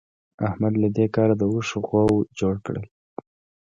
احمد له دې کاره د اوښ غوو جوړ کړل.